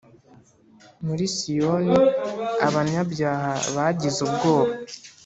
Muri Siyoni, abanyabyaha bagize ubwoba,